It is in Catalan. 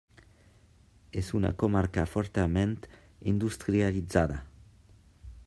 És una comarca fortament industrialitzada.